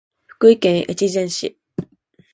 福井県越前市